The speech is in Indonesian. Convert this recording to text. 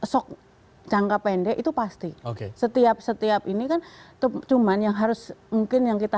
sok jangka pendek itu pasti oke setiap setiap ini kan cuman yang harus mungkin yang kita